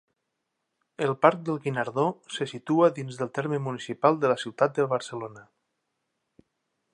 El Parc del Guinardó se situa dins del terme municipal de la ciutat de Barcelona.